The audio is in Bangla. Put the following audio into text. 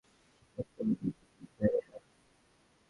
এই মহৎ হইতে সমষ্টি অহংতত্ত্বের উৎপত্তি হয়, এই দুইটিই জড় বা ভৌতিক।